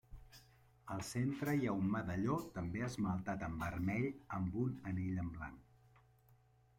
Al centre hi ha un medalló, també esmaltat en vermell amb un anell en blanc.